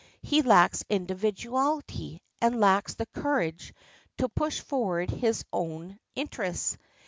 He lacks individuality, and lacks the courage to push forward his own interests.